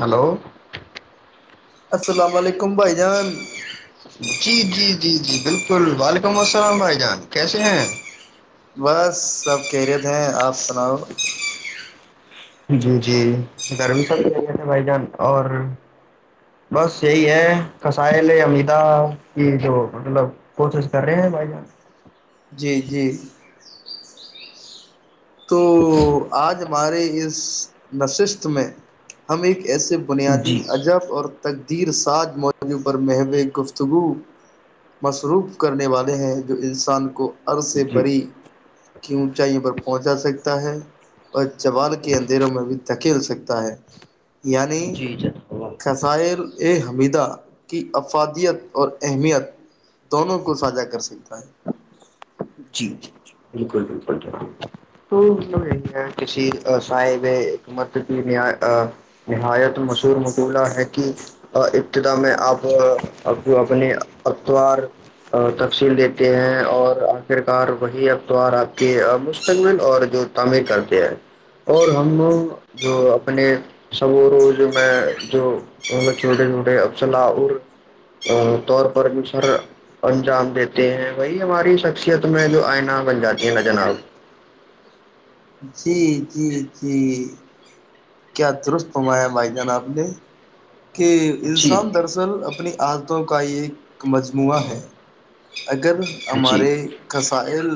hello [unintelligible] السلام علیکم [inaudible] جان جی جی مم جی جی بالکل وعلیکم السلام بھائی جان کیسے ہیں [unintelligible] بس سب کہہ رہے تھ ہیں آپ سناؤ جی جی گرمی س بھی ل گئے تھے بھائی جان اور بس یہی ہے کسائل امیدا کی جو مطلب کوشش کر رہے ہیں بھائی جان جی جی تو آج ہمارے اس نشست میں ہم ایک [unintelligible] ایسے بنیادی جی عجب اور ت [unintelligible] تیر سج موضوع پر محو گفتگو مصروف کرنے والے ہیں جو انسان کو [unintelligible] ار سے جی بھری کی اونچائیوں پر [unintelligible] پہنچا سکتا ہے [unintelligible] اور چوال کے اندروں میں بھی تک [unintelligible] کھیل سکتا ہے [unintelligible] یعنی جی جناب قصائل ا حمیدہ کی افادیت اور اہمیت [unintelligible] دونوں کو ساھا کر سکتا ہے جی جی ج بالکل بالکل تو تو یہی ہے کسی صاحب حک مت کی ن [unintelligible] نہایت مشہور مبولہ ہے [unintelligible] کہ ابتدا میں آپ جو اپنے اختبار تفصیل دیتے ہیں اور [unintelligible] آخرکار وہی افتار آپ کے مستقبل اور جو تعمیر کرتے ہیں اور ہم جو اپنے سب و روز میں جو چھوٹے چھوٹے افصلا طور پر سر انجام دیتے ہیں وہی ہماری [unintelligible] شخصیت میں جو آئینہ بن جاتی ہے نا جناب جی جی جی کیا درست ہوایا بھائی جان آپ نے کہ جی انسان دراصل اپنی عادتوں کا یہ ایک مجموعہ ہے اگر جی ہمارے قسائل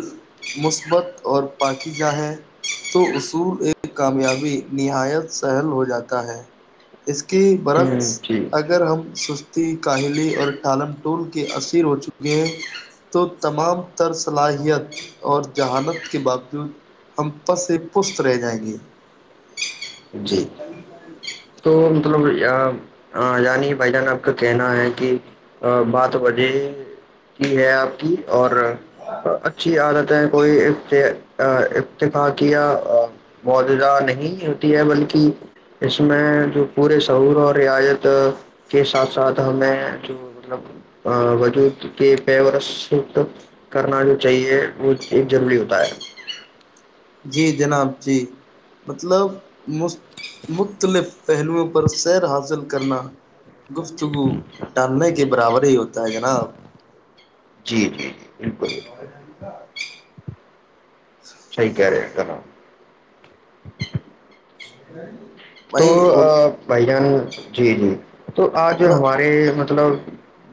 [unintelligible] مثبت اور پاکی کیا ہے [unintelligible] تو اصول ایک کامیابی نہایت سہل ہو جاتا ہے [unintelligible] اس کی برکس ہوں جی اگر ہم س [unintelligible] کاہلی اور ٹھالم ٹول کے اثیر ہو چکے ہیں تو تمام تر صلاحیت اور جہانت کے باوجود [unintelligible] ہم پس ہی پست رہ جائیں گے [unintelligible] جی تو [unintelligible] مطلب یعنی بھائی جان آپ کا کہنا ہے کہ بات وجہ کی ہے آپ کی اور اچھی عادت ہے کوئی افتفاق مجودہ نہیں [unintelligible] تی ہے بلکہ اس میں جو پورے سعور اور رعایت کے ساتھ ساتھ ہمیں جو مطلب وجود کے پیور کرنا جو چاہیے وہ ایک ضروری ہوتا ہے [unintelligible] جی جناب جی مطلب م [unintelligible] مختلف [unintelligible] پہلوؤں پر سیر حاصل کرنا گفتگو ڈالنے کے برابر ہی ہوتا [unintelligible] کیا جناب [unintelligible] جی جی جی بالکل بالکل [unintelligible] شہکارے کرام [unintelligible] تو بھائی ا بھائی جان جی جی [unintelligible] تو آج ہمارے مطلب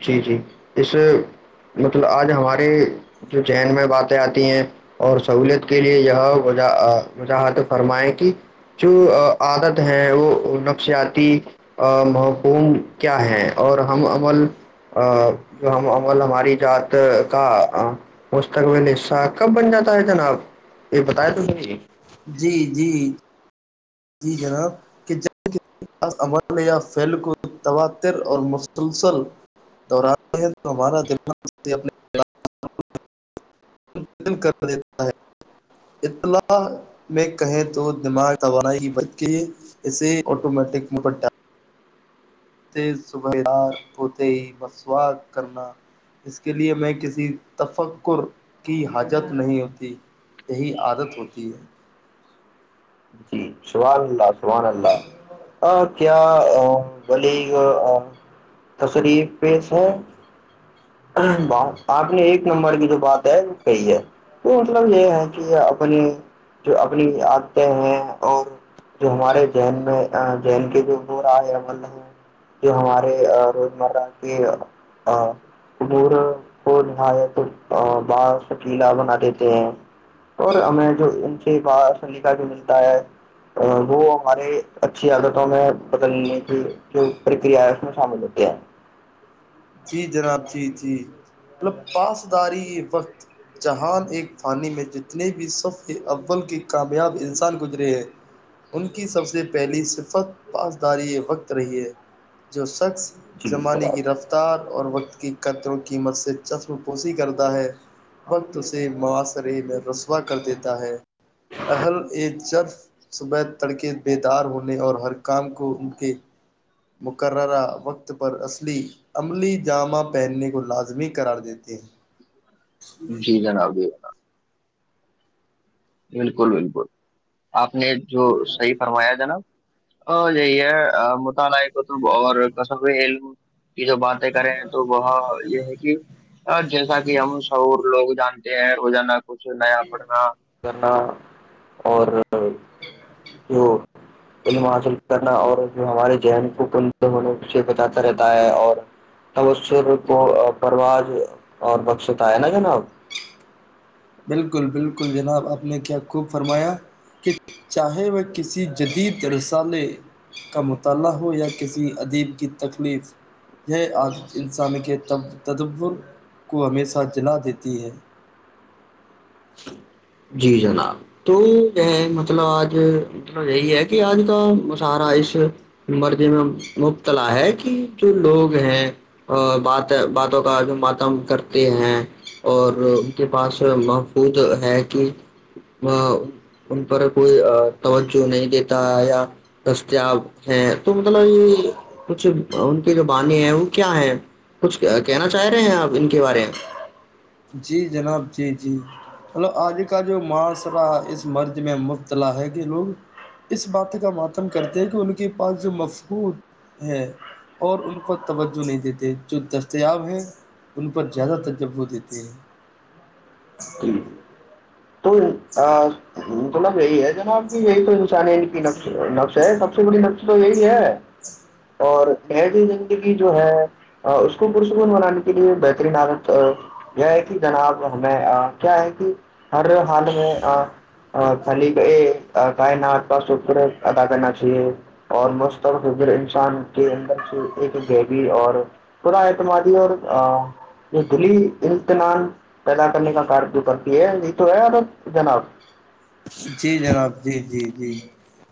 جی جی اس مطلب آج ہماراری جو چین میں باتیں آتی ہیں اور سہوولت کے لیے یہ وہ وجاحت فرمائیں کہ جو عادت [unintelligible] ہیں وہ نفسیاتی محکوم کیا ہے اور ہم عمل جو ہم عمل ہماری جذات کا مستقبل حصہ کب بن جاتا ہے جناب یہ بتیا تو [unintelligible] جی جی [unintelligible] جی جناب کہ جب کسیا عمل یا پل کو تواتر اور مسلسل دہراتے ہیں تو ہمارا دماغ دیتا ہے اطلاع میں کہیں تو دماغ توانائی [unintelligible] بچ کے اسے آٹومیٹک موپٹ [unintelligible] اتے صبح ہار ہوتے ہی مسوہ کرنا اس کے لیئے میں کسی تفکر کی حاجت نہیں ہوتی یہی عادت ہوتی ہے شوال اللہ [unintelligible] ران اللہ آ [unintelligible] [unintelligible] کیا ولیگ تصری پیش ہے [unintelligible] ب آپ نے ایک [unintelligible] نمبر کی جو بات ہے وہ کئی ہے تو مطلب یہ ہے کہ اپنی جو اپنی عتیں ہیں [unintelligible] [unintelligible] اور جو ہمارے جین میں جین کے جوبورائے عمل ہیں جو ہمارے روزمرہ کے عبور کو نہایت [unintelligible] [unintelligible] ب چک لناد [unintelligible] [unintelligible] تو [unintelligible] [unintelligible] اور ہمیں جو ان سے ب سن لیکا جو ملتا ہے [unintelligible] وہ ہمارے اچھی عادتوں میں بدلنے کی جو پرکریا ہے اس میں شامل ہوتی ہے [unintelligible] [unintelligible] جی جناب تھی تھی مطلب پاسداری وقت جہان ایک فانی میں جتنے بھی صف اول کے کامیاب انسان گزرے ہیں ان کی سب سے پہلی صفت پاسداری یہ وقت رہی ہے جو شخص [unintelligible] [unintelligible] جی زمانے جناب کی رفت [unintelligible] [unintelligible] ار اور وقت کی قطر و قیمت سے چشم پوسی کرتا ہے وقت سے مواصرے میں رسوا کر دیتا ہے اہل ا جرف صبح تڑکے بیدار ہونے اور ہر کام کو ان کے [unintelligible] مقررہ وقت پر اصلی عملی جامہ پہننے کو لازمی قرار دیتے ہیں [unintelligible] [unintelligible] جی جناب بھی جنا [unintelligible] [unintelligible] بالکل بالکل [unintelligible] [unintelligible] آپ نے جو صحیح فرمایا جناب [unintelligible] [unintelligible] اور جی ہے م [unintelligible] [unintelligible] کو اور کصب عل کی جو باتیں کریں تو وہ یہ ہے کہ جیسا کہ ہم شعور لوگ جان [unintelligible] [unintelligible] د ر جانا [unintelligible] [unintelligible] کچھ نیا پڑھنا [unintelligible] اور [unintelligible] [unintelligible] جو علم حاصل کرنا اور جو ہمارے ذہن کو کل ہونے سے بتاتا رہتا ہے اور تبر کو پرواز اور بخشتا ہے نا جناب [unintelligible] بالکل بالکل جناب آپ نے کیا خوب فرمایا کہ چاہے وہ کسی جدید رسالے کا مطالعہ ہو یا کسی ادیب کی تکلیف یہ آج انسان کے تدور کو ہمیشہ جلا دیتی ہے [unintelligible] [unintelligible] جی جناب تو یہ مطلب آج مطلب یہی ہے کہ آج کا مشہرہ اس مرضی میں مبتلا ہے کہ جو لوگ ہیں بات باتوں کا جو ماتم کرتے ہیں اور ان کے پاس [unintelligible] [unintelligible] خود ہے کہ ان پر کوئی توجہ نہیں دیتا یا دستیاب ہے تو مطلب یہ کچھ ان کی جو بانی ہیں وہ کیا ہے کچھ کہنا چاہ رہے ہیں آپ ان کے بارے میں [unintelligible] [unintelligible] جی جناب جی جی ملب آج کا جو معاشرہ اس مرض میں مبتلا ہے کہ لوگ اس بات کا متم کرتے ہیں کہ ان کے پاس جو مفقو ہے اور ان پر توجہ نہیں دیتے جو دستیاب ہیں ان پر زیادہ تج دیتے [unintelligible] جین [unintelligible] [unintelligible] ا میں [unintelligible] [unintelligible] تو مطلب یہی ہے جناب کی یہی تو [unintelligible] [unintelligible] نفش ہے سب سے بڑی نفش تو یہی ہے اور [unintelligible] [unintelligible] نری زندگی جو ہے اس کو پرسکون بنانے کے لیے بہترین عادت یہ ہے کہ جناب ہمیں کیا ہے کہ [unintelligible] [unintelligible] اور [unintelligible] [unintelligible] حال میں خالی یہ کائنات کا شکر ادا کرنا چاہیے اور مسترکر انسان کے اندر سے ایک ہبی اور با اعتمادی اور دلی امتحان پیدا کرنے کا کار جو کرتی ہے [inaudible] یہی تو ہے ارا جناب جی جناب جی جی [inaudible] جی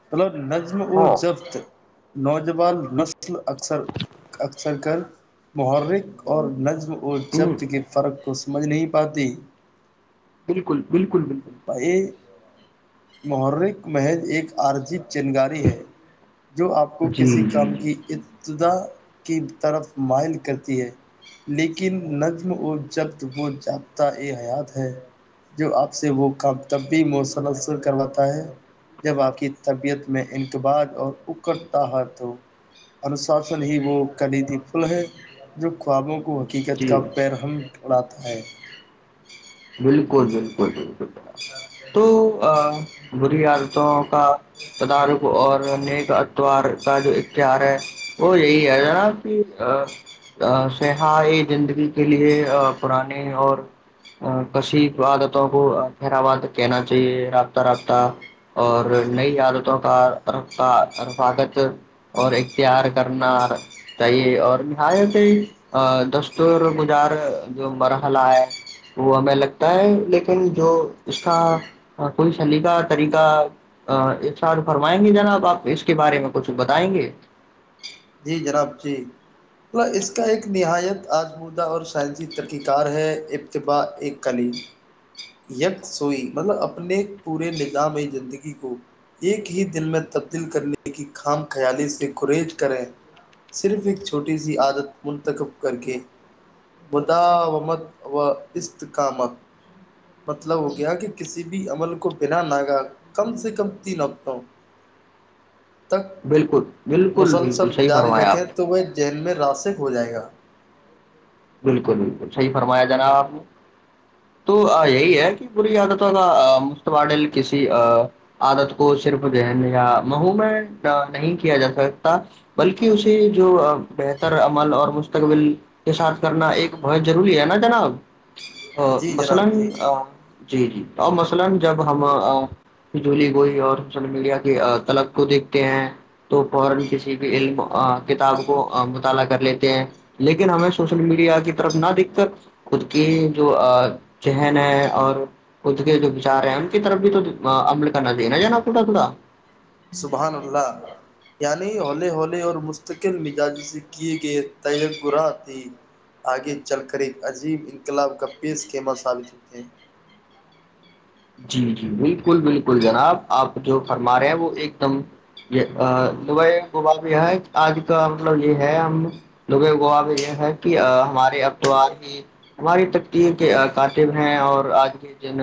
ملو نظم و ہاں ہوں ضبط [inaudible] نوجوان نس [inaudible] سر کر محرک اور نظم [inaudible] اور جبت کے فرق کو [inaudible] سمجھ نہیں پاتی بالکل بالکل [inaudible] بائی [inaudible] محرک محج ایک آرجی [inaudible] چنگاری ہیں جو آپ کو جی کسی جی کام کو جی ع کی طرف مائل کرتی ہے لیکن نظم و جبط وہ جابطہ ا حیات ہے جو آپ سے وہ کا طبی مسل سر کرواتا ہے جب آپ کی طبیعت میں انقب اور اکتا ہے تو انشاسن ہی وہ کلیدی پل ہے جو خوابوں کو کو حقیقت کا جی پیر ہم [inaudible] بالکل بالکل بالکل تو ا [unintelligible] [unintelligible] جی حال [inaudible] کا تدارک اور نیک [inaudible] اتوار کا جو اختیہار ہے وہ یہی ہے ذرا کہ سیہ زندگی کے لیے پرانے اور کشیف عادتوں کو پہر آباد کہنا چاہیے رابطہ رابطہ اور نئی عادتوں کا رفاقت اور اختیار کرنا چاہیے اور نہایت دستور گجار جو مرحلہ ہے وہ ہمیں لگتا ہے لیکن جو اس کا کوئی شلیقہ طریقہ ساتھ فرمائیں گے جناب آپ اس کے بارے میں کچھ بتائیں گے مطل اس کا ایک نہایت آزمودہ اور سائنسی طرقی کار ہے ابتباء ا کلیم یک سوئی مطلب اپنے پورے نظام زندگی کو ایک ہی دل میں تبدیل کرنے کی خام خیالی سے کرییز کریں صرف ایک چھوٹی سی عادت منتخب کر کے مدامت و استکامت مطلب ہو گیا کہ کسی بھی عمل کو بنا نگاہ کم سے کم تین ہفتوں تک بالکل بالکل بالکل مسلسل صحیح [inaudible] جاری رکھیں نے تو وہ جیین میں راسک ہو ج جائے گا [unintelligible] بالکل بالکل صحیح فرمایا جناب آپ نے تو یہی ہے کہ بری عادتوں کا مشتبادل کسی عادت کو صرف ذہن یا مہو میں نہیں کیا جا سکتا بلکہ اسے جو بہتر عمل اور مستقبل کے ساتھ نا ایک بہت ضروری ہے [unintelligible] ا جناب [inaudible] جی جناب جی [inaudible] کیا مثلا جب ہم جھولی گوئی اور ان سے ملیا کی طلب کو دیکھتے ہیں تو فورا کسی بھی علم کتاب کو مطالعہ کر لیتے ہیں لیکن ہیں سوشل میڈیا کی طرف نہ دکھ کر خود کی جو ذہن ہے اور خود کے جو وچار ہیں ان کی طرف بھی تو عمل کرنا دےینا ج نا تھوڑا تھوڑا سبحان اللہ یعنی ہولے ہولے اور مستقل مزاج سے کیے گئے تہ گرہات آگے چل کر ایک عجیب انقلاب کا پیش خیمہ ثابت ہوتے ہیں جی جی بالکل بالکل جناب آپ جو فرما رہے ہیں وہ ایک دم یہ دبئے گبا میں یہ ہے آج کا مطلب یہ ہے ہم لبئے وبا میں یہ ہے کہ ہمارے ابتوار ہی ہماری تکتییر کے کاتب ہیں اور آج کے جن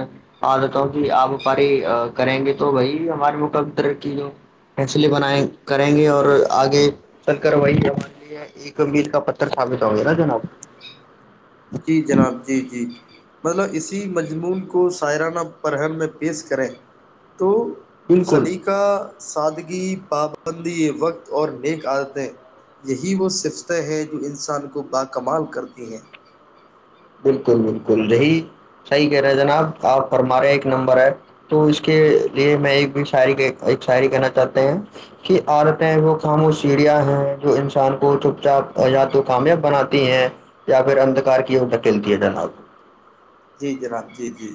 آ دیتاؤ کہ آپ وپاری کریں گے تو وہی ہمارے مقر کی جو فیصلے بنیں کریں گے اور آگے چل کر وہی ہمار لی ایک ال کا پتر سثابت ہو گے نا جناب جی جناب جی جی مطلب اسی مجمون کو سائرانہ پررہن میں پیش کریں تو بالکل سلیقہ سگی باب ابندی وقت اور نیک عادتیں یہی وہ صفتیں ہیں جو انسان کو باکمال کرتی ہیں بالکل بالکل یہی صحیح کہہ رہے جناب آپ فرماارے ایک نمبر ہے تو اس کے لیے میں ایک بھی شاعری ایک شاعری کہنا چاہتے ہیں کہ عالتیں وہ خامو سیڑیا ہیں جو انسان کو چپ چاپ یا تو کامیاب بناتی ہیں یا پھر اندھکار کی ٹر آگ [unintelligible] جی جناب جی جی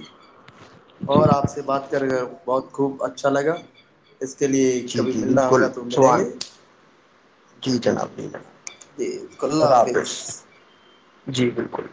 اور آپ سے بات کر گئے بہت خوب اچھا لگا اس کے لیے جی کبھی جی ملنا بالکل ہوگا تو ملیں سوان گے جی جناب جی جنا جی کلہ حافظ جی بالکل